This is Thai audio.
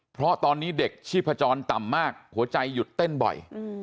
เพราะตอนนี้เด็กชีพจรต่ำมากหัวใจหยุดเต้นบ่อย